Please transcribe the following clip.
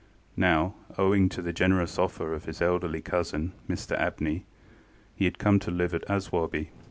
Now, owing to the generous offer of his elderly cousin, Mr Abney, he had come to live at Aswarby.